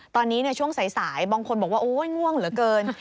ตอนนี้ช่วงสายบางคนบอกว่าโอ๊ยง่วงเหลือเกิน